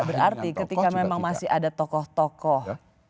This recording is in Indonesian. berarti ketika memang masih ada tokoh tokoh